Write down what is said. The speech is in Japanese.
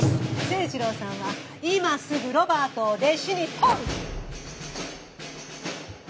清次郎さんは今すぐロバートを弟子にとる！